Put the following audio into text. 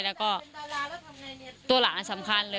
แล้วก็ตัวหลานอันสำคัญเลย